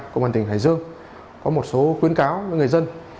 công an tỉnh hải dương có một số khuyến cáo với người dân